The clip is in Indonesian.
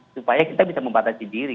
supaya kita bisa membatasi diri